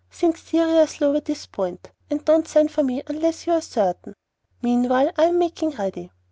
Think seriously over this point, and don't send for me unless you are certain. Meanwhile, I am making ready.